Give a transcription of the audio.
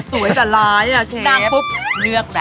สวยแต่ร้ายนะเชฟ